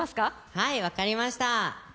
はい、分かりました。